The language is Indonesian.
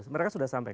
mereka sudah sampaikan